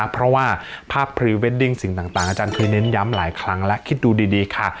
เพราะว่าภาพพรีเวดดิ้งสิ่งต่างอาจารย์เคยเน้นย้ำหลายครั้งและคิดดูดีค่ะ